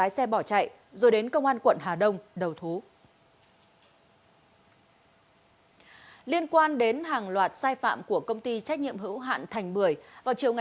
xin chào các bạn